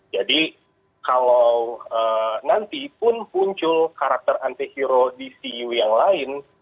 jadi kalau nanti pun puncul karakter anti hero dcu yang lain